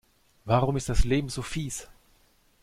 Warum ist das Leben so fieß?